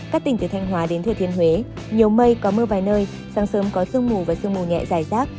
các tỉnh từ thanh hóa đến thừa thiên huế nhiều mây có mưa vài nơi sáng sớm có sương mù và sương mù nhẹ dài rác